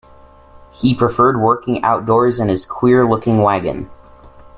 He preferred working outdoors in his queer-looking wagon.